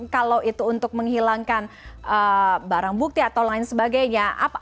kalau itu untuk menghilangkan barang bukti atau lain sebagainya